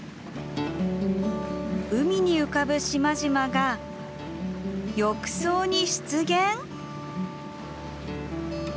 海に浮かぶ島々が浴槽に出現？